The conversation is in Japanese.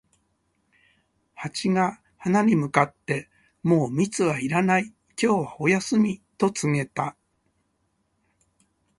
ハチが花に向かって、「もう蜜はいらない、今日はお休み」と告げた。